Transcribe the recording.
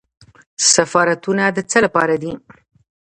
سفارتونه د څه لپاره دي؟